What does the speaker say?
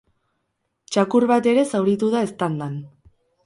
Txakur bat ere zauritu da eztandan.